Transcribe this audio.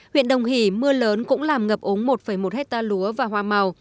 huyện đồng hỷ mưa lớn cũng làm ngập ống một một hectare lúa và hoa màu